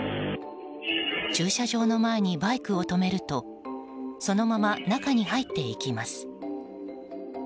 駐車場の前にバイクを止めるとそのまま中へ入っていきます。